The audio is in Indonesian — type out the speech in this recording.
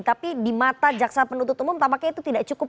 tapi di mata jaksa penuntut umum tampaknya itu tidak cukup